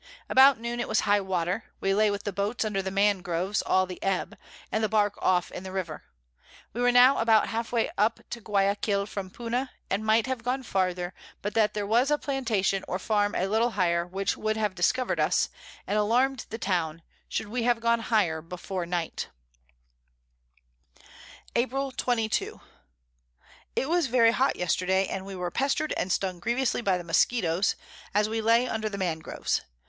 About Noon it was High water; we lay with the Boats under the Mangroves all the Ebb, and the Bark off in the River. We were now about half way up to Guiaquil from Puna, and might have gone farther, but that there was a Plantation or Farm a little higher, which would have discover'd us, and alarm'd the Town, should we have gone higher before Night. [Sidenote: At Guiaquil.] [Sidenote: At Guiaquil.] April 22. It was very hot Yesterday, and we were pester'd and stung grievously by the Muskitoes, as we lay under the Mangroves.